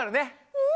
うん！